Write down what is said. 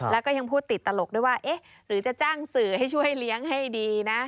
แล้วก็ยังพูดติดตลกด้วยว่าเอ๊ะหรือจะจ้างสื่อให้ช่วยเลี้ยงให้ดีนะ